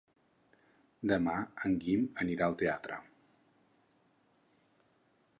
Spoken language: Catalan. Demà en Guim anirà al teatre.